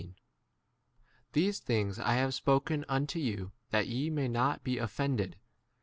XVI. These things I have spoken unto you that ye may not be of 2 f ended.